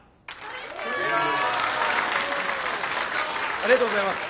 ありがとうございます。